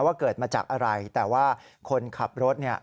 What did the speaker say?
ว่าเกิดมาจากอะไรแต่ว่าคนขับรถเนี่ย